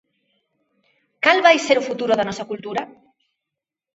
¿Cal vai a ser o futuro da nosa cultura?